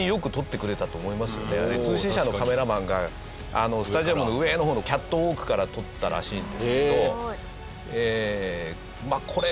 通信社のカメラマンがスタジアムの上の方のキャットウォークから撮ったらしいんですけど。